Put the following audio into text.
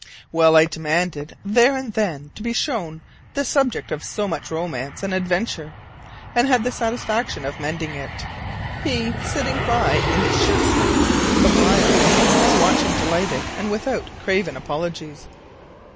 Well, I demanded there and then to be shown the subject of so much romance and adventure: and had the satisfaction of mending it, he sitting by in his shirt sleeves the while, and watching delighted and without craven apologies.